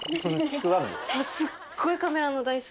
すっごいカメラの台数。